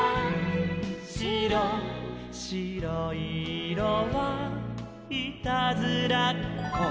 「しろいいろはいたずらっこ」